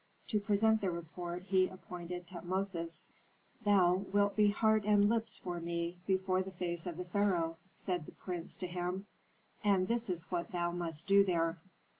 To present the report he appointed Tutmosis. "Thou wilt be heart and lips for me before the face of the pharaoh," said the prince to him, "and this is what thou must do there.